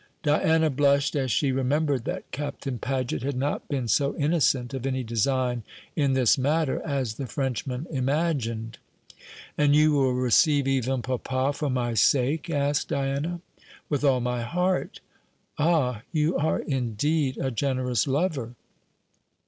Diana blushed as she remembered that Captain Paget had not been so innocent of any design in this matter as the Frenchman imagined. "And you will receive even papa for my sake?" asked Diana. "With all my heart." "Ah, you are indeed a generous lover!"